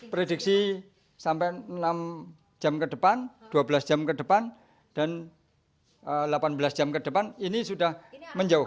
prediksi sampai enam jam ke depan dua belas jam ke depan dan delapan belas jam ke depan ini sudah menjauh